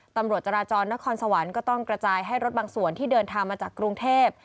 ตำรวจจราจรนครสวรรค์ก็ต้องกระจายให้รถบางส่วนที่เดินทางมาจากกรุงเทพ